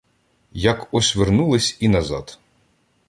Як ось вернулись і назад